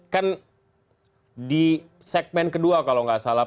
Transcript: kan di segmen kedua kalau nggak salah